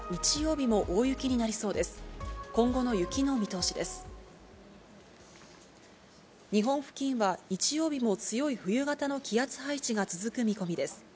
日本付近は日曜日も強い冬型の気圧配置が続く見込みです。